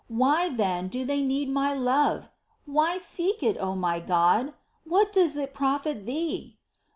Why, then, do they need my love ? Why seek it, O my God ? What does it profit Thee